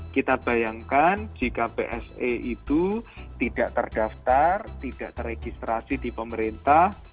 kita bayangkan jika bse itu tidak terdaftar tidak teregistrasi di pemerintah